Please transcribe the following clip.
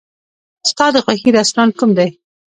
ستا د خوښې رستورانت کوم دی؟